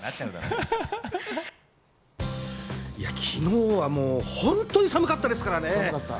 昨日はもう本当に寒かったですからね。